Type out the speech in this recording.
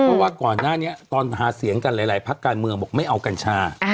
เพราะว่าก่อนหน้านี้ตอนหาเสียงกันหลายพักการเมืองบอกไม่เอากัญชา